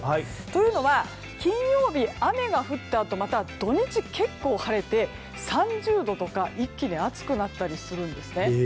というのは金曜日、雨が降ったあとまた土日、結構、晴れて３０度とか一気に暑くなったりするんですね。